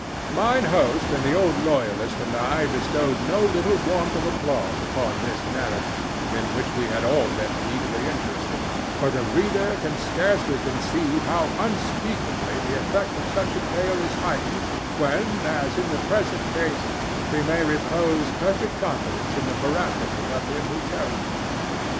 Mine host and the old loyalist and I bestowed no little Warmth of applause upon this narrative, in which we had all been deeply interested; for the reader can scarcely conceive how unspeakably the effect of such a tale is heightened when, as in the present case, we may repose perfect confidence in the veracity of him who tells it.